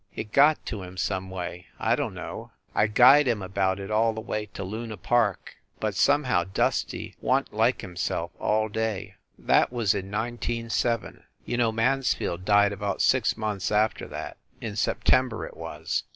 It got to him, some way, I dun no. I guyed him about it all the way to Luna Park, but somehow Dusty wan t like himself all day. 184 FIND THE WOMAN That was in nineteen seven. You know Mans field died about six months after that; in Septem ber, it was.